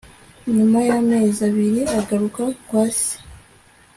nyuma y'amezi abiri agaruka kwa se